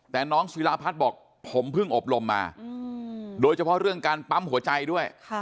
แต่น้องศิลาพัฒน์บอกผมเพิ่งอบรมมาโดยเฉพาะเรื่องการปั๊มหัวใจด้วย